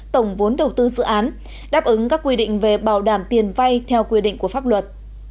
tổng vốn đầu tư dự án đáp ứng các quy định về bảo đảm tiền vay theo quy định của pháp luật